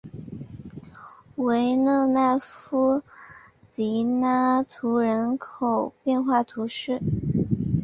维勒纳夫迪拉图人口变化图示